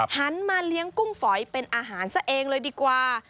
หันมาเลี้ยงกุ้งฝอยเป็นอาหารซะเองเลยดีกว่า